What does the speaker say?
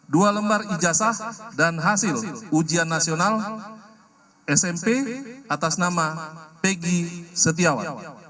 dua lembar ijazah dan hasil ujian nasional smp atas nama pegi setiawan